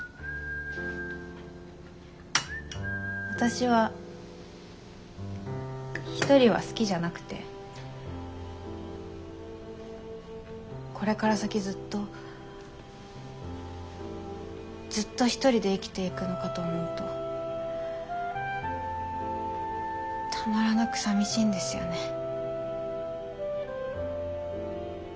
私は一人は好きじゃなくてこれから先ずっとずっと一人で生きていくのかと思うとたまらなく寂しいんですよね。